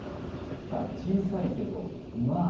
さあ小さいけどまあ